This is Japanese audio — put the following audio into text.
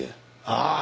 ああ。